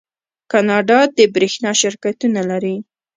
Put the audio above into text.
کاناډا د بریښنا شرکتونه لري.